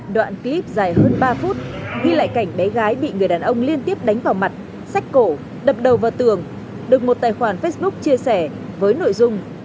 đoạn clip dài hơn ba phút ghi lại cảnh bé gái bị người đàn ông liên tiếp đánh vào mặt sách cổ đập đầu vào tường được một tài khoản facebook chia sẻ với nội dung